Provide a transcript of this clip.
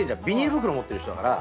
袋持ってる人だから。